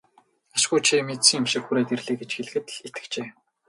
Ашгүй чи мэдсэн юм шиг хүрээд ирлээ гэж хэлэхэд л итгэжээ.